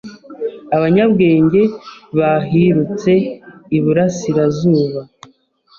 Abanyabwenge bahirutse iburasirazuba,